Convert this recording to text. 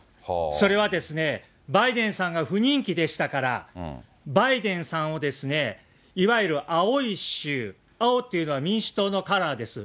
それは、バイデンさんが不人気でしたから、バイデンさんをいわゆる青い州、青というのは民主党のカラーです。